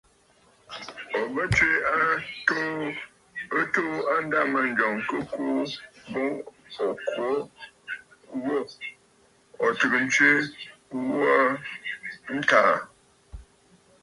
Ò bə tswe a atoo ɨ tuu a ndâmanjɔŋ kɨ ghɛ̀ɛ̀ boŋ ò kwo ghu ò tɨgə̀ ntswe ghu a ntàà.